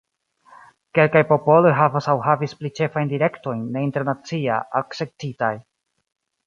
Kelkaj popoloj havas aŭ havis pli ĉefajn direktojn ne internacia akceptitaj.